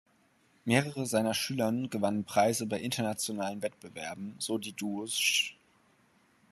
Mehrere seiner Schülern gewannen Preise bei internationalen Wettbewerben, so die Duos Sch.